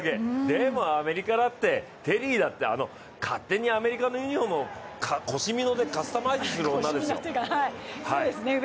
でもアメリカだって、テリーだって勝手にアメリカのユニフォームを腰みのでカスタマイズする女ですよ。